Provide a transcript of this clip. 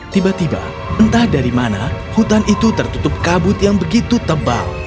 tiba tiba entah dari mana hutan itu tertutup kabut yang begitu tebal